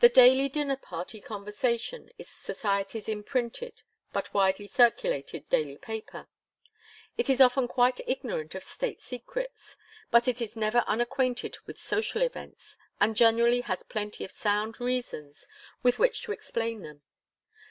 The daily dinner party conversation is society's imprinted but widely circulated daily paper. It is often quite ignorant of state secrets, but it is never unacquainted with social events, and generally has plenty of sound reasons with which to explain them.